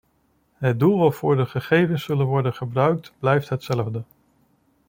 Het doel waarvoor de gegevens zullen worden gebruikt, blijft hetzelfde.